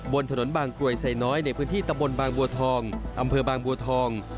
บนถนนบางกรวยไซน้อยในพื้นที่ตะบนบางบัวทองอำเภอบางบัวทอง